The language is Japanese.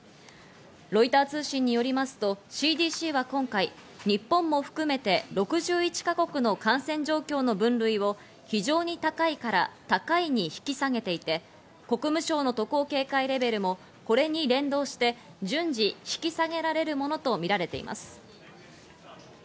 ロイター通信によりますと、ＣＤＣは今回、日本も含めて６１か国の感染状況の分類を非常に高いから高い引き下げていて、国務省の渡航警戒レベルもこれに連動して順次引き下げられるものとみられています。